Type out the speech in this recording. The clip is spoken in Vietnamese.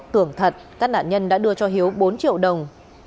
tưởng thật các nạn nhân đã đưa cho hiếu bốn triệu đồng